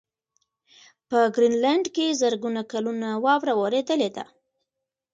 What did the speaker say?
په ګرینلنډ کې زرګونه کلونه واوره ورېدلې ده.